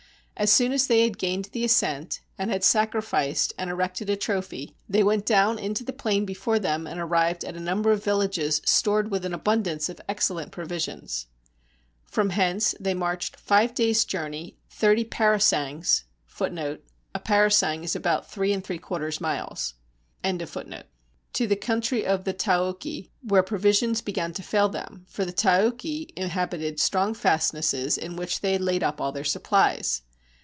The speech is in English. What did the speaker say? As soon as they had gained the ascent, and had sacrificed and erected a trophy, they went down into the plain before them, and arrived at a number of villages stored with abundance of excellent provisions. From hence they marched five days' journey, thirty parasangs, ^ to the country of the Taochi, where provisions began to fail them ; for the Taochi inhabited strong fast nesses, in which they had laid up all their supplies.